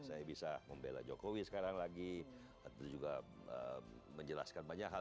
saya bisa membela jokowi sekarang lagi atau juga menjelaskan banyak hal